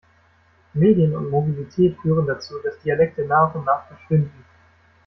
Medien und Mobilität führen dazu, dass Dialekte nach und nach verschwinden.